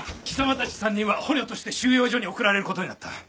貴様たち３人は捕虜として収容所に送られることになった。